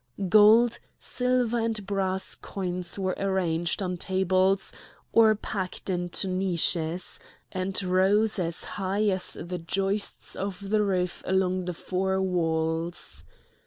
Gold, silver, and brass coins were arranged on tables or packed into niches, and rose as high as the joists of the roof along the four walls.